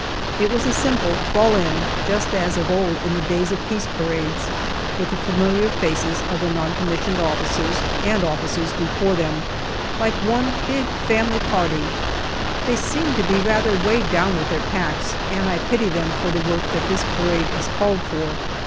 It was a simple " fall in," just as of old in the days of peace parades, with the familiar faces of their N.C.O.'s and officers before them, like one big family party. They seemed to be rather weighed down with their packs, and I pity them for the work that this parade is called for.